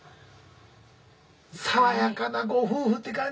爽やかなご夫婦って感じ。